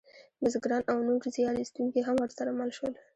بزګران او نور زیار ایستونکي هم ورسره مل شول.